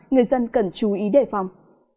nhân cần chú ý đề phòng